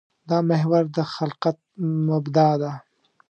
دا محور د خلقت مبدا ده.